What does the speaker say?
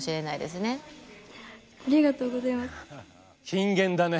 金言だね。